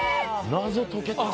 謎解けた。